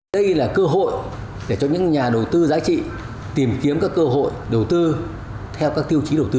đây là cơ hội để cho những nhà đầu tư giá trị tìm kiếm các cơ hội đầu tư theo các tiêu chí đầu tư